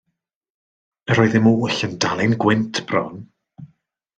Yr oeddym oll yn dal ein gwynt bron.